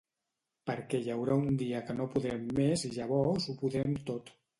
Perquè hi haurà un dia que no podrem més i llavors ho podrem tot.